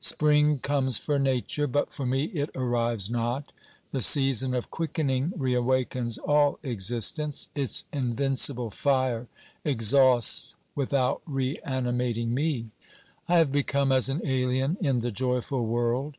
Spring comes for Nature, but for me it arrives not. The season of quickening reawakens all existence, its OBERMANN 319 invincible fire exhausts without reanimating me; I have become as an alien in the joyful world.